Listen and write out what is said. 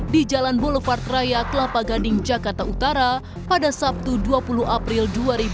di jalan boulevard raya kelapa gading jakarta utara pada sabtu dua puluh april dua ribu dua puluh